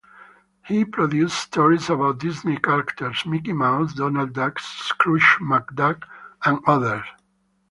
He produced stories about Disney characters Mickey Mouse, Donald Duck, Scrooge McDuck and others.